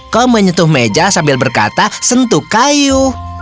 kau menyentuh meja sambil berkata sentuh kayu